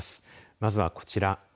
まずはこちら。